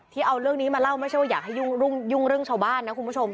เอาเรื่องนี้มาเล่าไม่ใช่ว่าอยากให้ยุ่งเรื่องชาวบ้านนะคุณผู้ชม